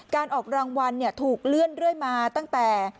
การออกรางวัลถูกเลื่อนเรื่อยมาตั้งแต่